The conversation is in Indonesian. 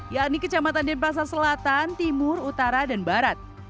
yakni kecamatan denpasar selatan timur utara dan barat